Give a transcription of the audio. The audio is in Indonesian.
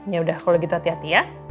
yaudah kalau gitu hati hati ya